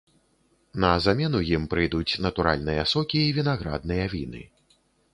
На замену ім прыйдуць натуральныя сокі і вінаградныя віны.